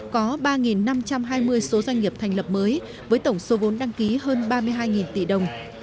có ba năm trăm hai mươi số doanh nghiệp thành lập mới với tổng số vốn đăng ký hơn ba mươi hai tỷ đồng